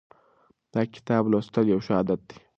د کتاب لوستل یو ښه عادت دی.